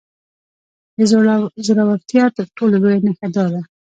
د زورورتيا تر ټولو لويه نښه دا ده.